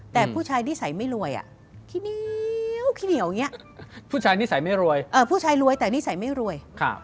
แต่ผู้ชายนิสัยไม่รวยโอ๊ยผู้ชายรวยแต่นิสัยไม่รวย